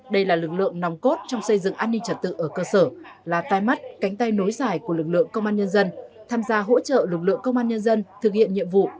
đây là lực lượng nòng cốt trong xây dựng an ninh trật tự ở cơ sở là tai mắt cánh tay nối dài của lực lượng công an nhân dân tham gia hỗ trợ lực lượng công an nhân dân thực hiện nhiệm vụ